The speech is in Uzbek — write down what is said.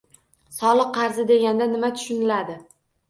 Soliq qarzi deganda nima tushuniladi?